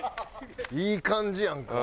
いい感じやんか。